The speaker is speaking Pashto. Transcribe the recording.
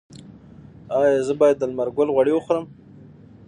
ایا زه باید د لمر ګل غوړي وخورم؟